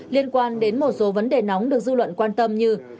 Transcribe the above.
liên quan đến một số vấn đề nóng được dư luận quan tâm như